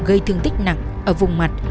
khi thương tích nặng ở vùng mặt